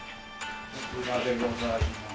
こちらでございます。